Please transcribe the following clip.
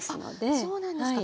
あそうなんですか。